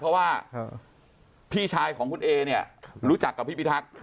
เพราะว่าพี่ชายของคุณเอเนี่ยรู้จักกับพี่พิทักษ์